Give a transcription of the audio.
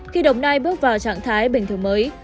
khi đồng nai bước vào trạng thái bình thường mới